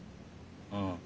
うん。